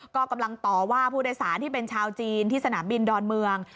ก็กำลังต่อว่าผู้โดยสารที่เป็นชาวจีนที่สนามบินดอนเมือง